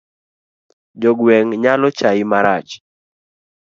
Jo gweng' nyalo chai marach.